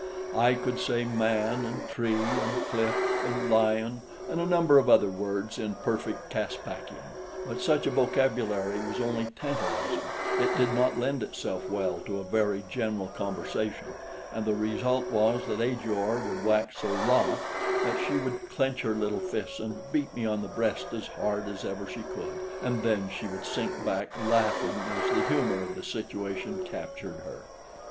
I could say man and tree and cliff and lion and a number of other words in perfect Caspakian; but such a vocabulary was only tantalizing; it did not lend itself well to a very general conversation, and the result was that Ajor would wax so wroth that she would clench her little fists and beat me on the breast as hard as ever she could, and then she would sink back laughing as the humor of the situation captured her.